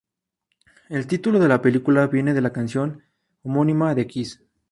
El título de la película viene de la canción homónima de Kiss.